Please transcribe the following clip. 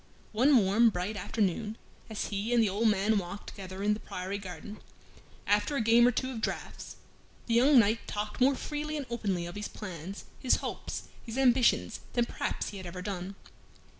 One warm bright afternoon, as he and the old man walked together in the priory garden, after a game or two of draughts, the young knight talked more freely and openly of his plans, his hopes, his ambitions, than perhaps he had ever done.